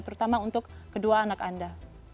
terutama untuk kedua anak anda